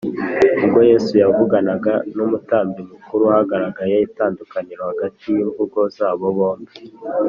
ubwo yesu yavuganaga n’umutambyi mukuru, hagaragaye itandukaniro hagati y’imvugo zabo bombi